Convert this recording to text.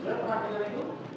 sudah pernah pilih itu